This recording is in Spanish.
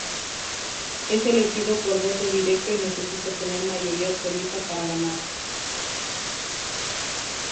Es elegido por voto directo y necesita tener mayoría absoluta para ganar.